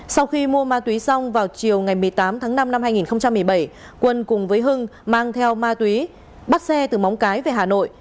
sau khi mua ma túy xong vào chiều ngày một mươi tám tháng năm năm hai nghìn một mươi bảy quân cùng với hưng mang theo ma túy bắt xe từ móng cái về hà nội